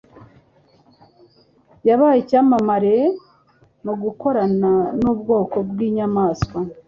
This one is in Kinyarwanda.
Yabaye Icyamamare mu Gukorana Nubwoko Bwinyamaswa